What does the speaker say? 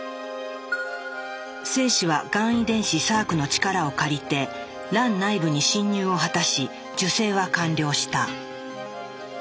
精子はがん遺伝子サークの力を借りて卵内部に侵入を果たし受精は完了した。